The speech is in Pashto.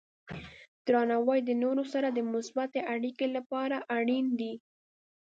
درناوی د نورو سره د مثبتې اړیکې لپاره اړین دی.